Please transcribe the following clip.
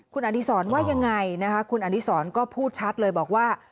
คุณอดีศรว่ายังไงนะคะคุณอดีศรก็พูดชัดเลยบอกว่า